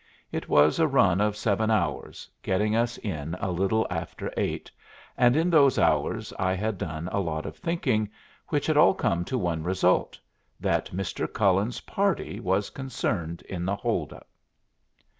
It was a run of seven hours, getting us in a little after eight, and in those hours I had done a lot of thinking which had all come to one result, that Mr. Cullen's party was concerned in the hold up.